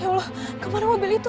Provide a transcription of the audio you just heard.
ya allah kemana mobil itu